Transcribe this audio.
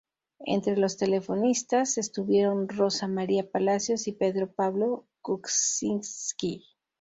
Entre los telefonistas estuvieron Rosa María Palacios y Pedro Pablo Kuczynski.